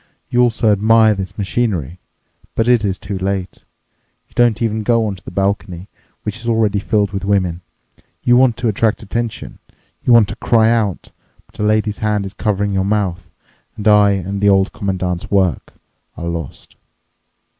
You also admire this machinery. But it is too late. You don't even go onto the balcony, which is already filled with women. You want to attract attention. You want to cry out. But a lady's hand is covering your mouth, and I and the Old Commandant's work are lost."